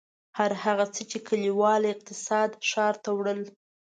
هر هغه څه چې کلیوال اقتصاد ښار ته وړل.